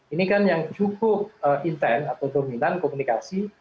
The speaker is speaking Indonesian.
ini kan yang cukup intent atau dominan komunikasi